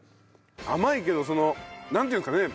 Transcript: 甘いけどなんていうんですかね